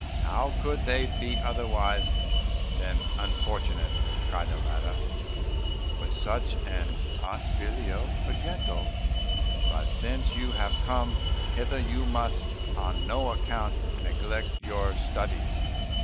"How could they be otherwise than unfortunate," cried the latter, "with such an unfilial progenitor? But since you have come hither, you must on no account neglect your studies."